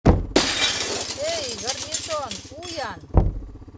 — Эй, гарнизон, уян!